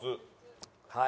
はい。